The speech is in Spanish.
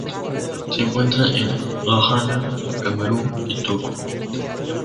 Se encuentra en Ghana, Camerún y Togo.